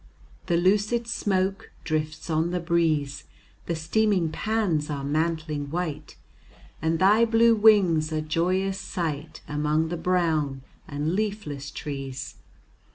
The lucid smoke drifts on the breeze, The steaming pans are mantling white, And thy blue wing's a joyous sight, Among the brown and leafless trees.